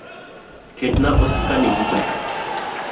Ketna osikani buta ka.